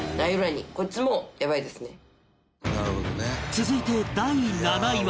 続いて第７位は